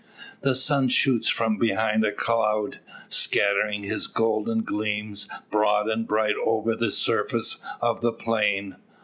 The sun shoots from behind a cloud, scattering his golden gleams broad and bright over the surface of the plain.